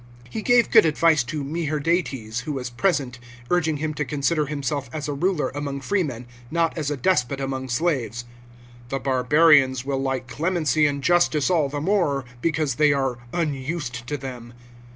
He gave good advice to Meherdates, who was present, urging him to consider himself as a ruler among freemen, not as a despot among slaves ;" the bar barians will like clemency and justice all the more, because they are unused to them."